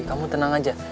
kamu tenang aja